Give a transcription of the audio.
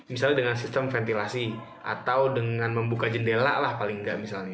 misalnya dengan sistem ventilasi atau dengan membuka jendela lah paling nggak misalnya